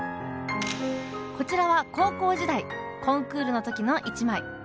こちらは高校時代コンクールの時の一枚。